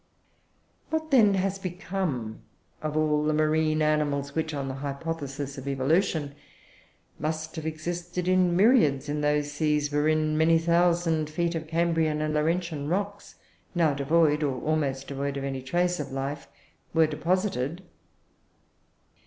What, then, has become of all the marine animals which, on the hypothesis of evolution, must have existed in myriads in those seas, wherein the many thousand feet of Cambrian and Laurentian rocks now devoid, or almost devoid, of any trace of life were deposited?